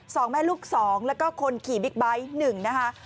สองแม่ลูก๒แล้วก็คนขี่บิ๊กไบท์๑นะคะ